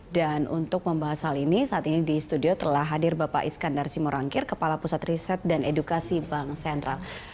dan untuk membahas hal ini saat ini di studio telah hadir bapak iskandar simorangkir kepala pusat riset dan edukasi bank sentral